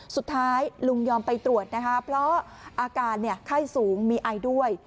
สุดท้ายลุงยอมไปตรวจนะคะเพราะอาการไข้สูงมีไอด้วย